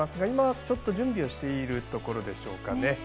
今、準備をしているところでしょうか。